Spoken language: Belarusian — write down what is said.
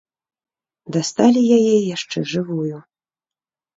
Дасталі яе яшчэ жывую.